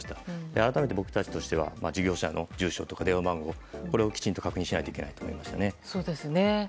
改めて僕たちは事業者の住所や電話番号をきちんと確認しないといけないですね。